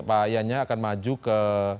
pak yannya akan maju ke